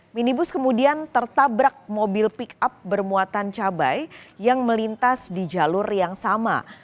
minibus kemudian tertabrak mobil pick up bermuatan cabai yang melintas di jalur yang sama